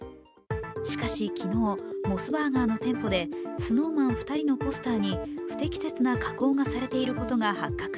しかし昨日、モスバーガーの店舗でＳｎｏｗＭａｎ２人のポスターに、不適切な加工がされていることが発覚。